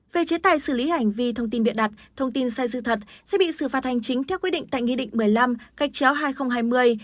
về chế tài xử lý hành vi thông tin biện đặt thông tin sai sự thật sẽ bị xử phạt hành chính theo quy định tại nghị định một mươi năm gạch chéo hai nghìn hai mươi